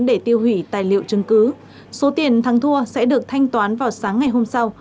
để tiêu hủy tài liệu chứng cứ số tiền thắng thua sẽ được thanh toán vào sáng ngày hôm sau